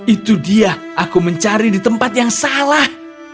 itu dia aku mencari di tempat yang salah